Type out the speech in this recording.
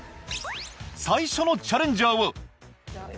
最初のチャレンジャーはじゃあい